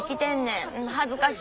恥ずかしい。